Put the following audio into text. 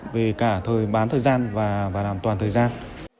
về cả thời bán thời gian và làm toàn thời gian